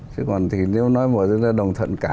chứ còn thì nếu nói mọi thứ là đồng thuận cả